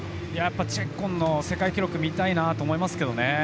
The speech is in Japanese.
チェッコンの世界記録を見たいなと思いますけどね。